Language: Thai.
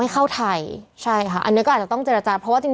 เพื่อไม่ให้เชื้อมันกระจายหรือว่าขยายตัวเพิ่มมากขึ้น